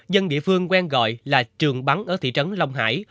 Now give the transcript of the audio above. dân địa phương quen gọi là trường bắn ở thị trấn long hải